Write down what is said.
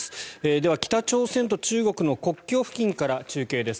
では北朝鮮と中国の国境付近から中継です。